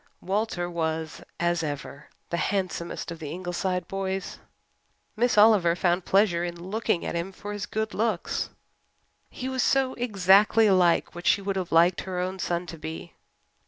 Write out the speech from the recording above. Walter was, as ever, the handsomest of the Ingleside boys. Miss Oliver found pleasure in looking at him for his good looks he was so exactly like what she would have liked her own son to be.